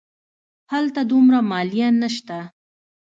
هلته دومره مالیه نه شته.